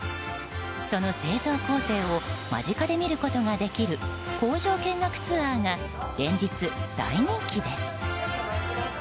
その製造工程を間近で見ることができる工場見学ツアーが連日、大人気です。